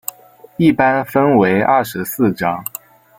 一般分为二十四章。